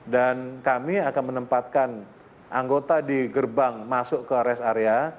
dan kami akan menempatkan anggota di gerbang masuk ke rest area